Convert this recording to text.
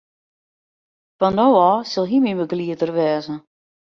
Fan no ôf sil hy myn begelieder wêze.